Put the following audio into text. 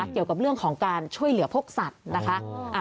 เกี่ยวกับเรื่องของการช่วยเหลือพวกสัตว์นะคะ